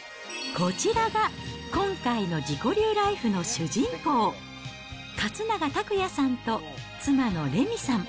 こちらが今回の自己流ライフの主人公、勝長拓也さんと妻の玲美さん。